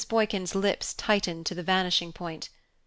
Boykin's lips tightened to the vanishing point.